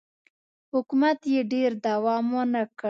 حکومت یې ډېر دوام ونه کړ